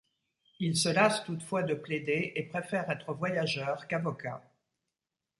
Il se lasse toutefois de plaider et préfère être voyageur qu'avocat.